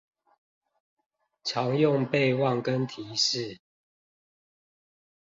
常用備忘跟提示